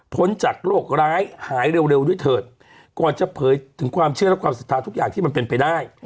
จากโรคร้ายหายเร็วด้วยเถิดก่อนจะเผยถึงความเชื่อและความศรัทธาทุกอย่างที่มันเป็นไปได้